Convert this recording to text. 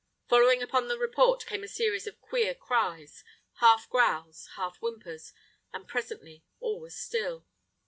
Following upon the report came a series of queer cries, half growls, half whimpers, and presently all was still.